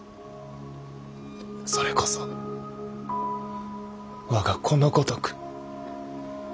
それこそ我が子のごとく。